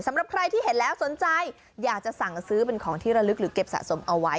สำหรับใครที่เห็นแล้วสนใจอยากจะสั่งซื้อเป็นของที่ระลึกหรือเก็บสะสมเอาไว้